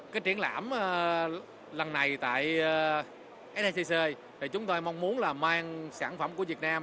cái triển lãm lần này tại scc thì chúng tôi mong muốn là mang sản phẩm của việt nam